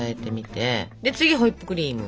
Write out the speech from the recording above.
で次ホイップクリーム。